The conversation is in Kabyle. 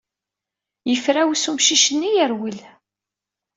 Yefrawes umcic-nni yarwel.